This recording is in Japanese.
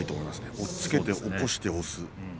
押っつけて起こして押す。